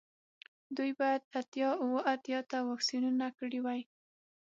دوی باید اتیا اوه اتیا ته واکسینونه کړي وای